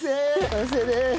完成です。